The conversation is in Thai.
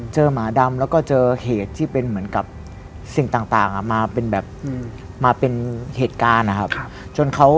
เจอหมาดำแล้วก็เจอเหตุที่เป็นเหมือนกับสิ่งต่างมาเป็นเหตุการณ์